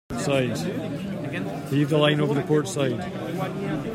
Heave the line over the port side.